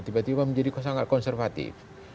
tiba tiba menjadi sangat konservatif